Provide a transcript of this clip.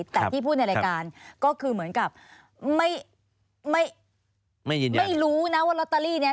แต่ที่พูดในรายการก็คือเหมือนกับไม่ไม่รู้นะว่าลอตเตอรี่เนี่ย